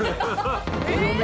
えっ！？